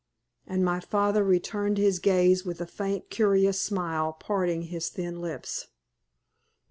And my father returned his gaze with a faint, curious smile parting his thin lips.